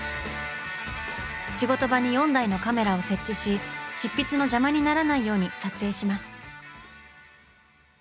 仕事場に４台のカメラを設置し執筆の邪魔にならないように撮影します。